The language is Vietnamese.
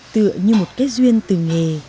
tựa như một kết duyên từ nghề